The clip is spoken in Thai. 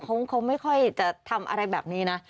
เขาไม่ค่อยจะทำอะไรแบบนี้นะ